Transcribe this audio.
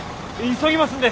急ぎますんで。